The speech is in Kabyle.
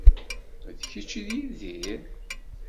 D kečč i d Yidir?